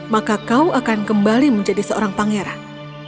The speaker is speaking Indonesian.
maka kau akan kembali menjadi seorang pangeran